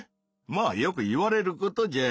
まあよく言われることじゃ。